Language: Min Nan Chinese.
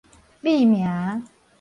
覕名